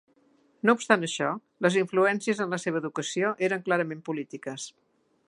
No obstant això, les influències en la seva educació eren clarament polítiques.